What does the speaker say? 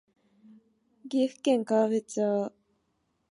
岐阜県川辺町